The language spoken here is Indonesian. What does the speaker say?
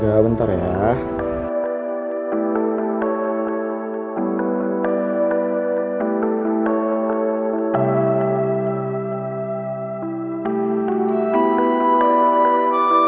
sel bentar sel sel bentar